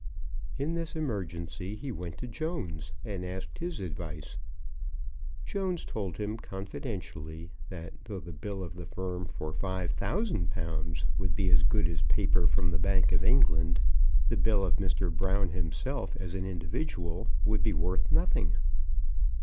In this emergency he went to Jones and asked his advice. Jones told him confidentially that, though the bill of the firm for five thousand pounds would be as good as paper from the Bank of England, the bill of Mr. Brown himself as an individual would be worth nothing.